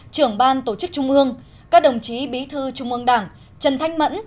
trưởng ban tổ chức trung ương các đồng chí bí thư trung ương đảng trần thanh mẫn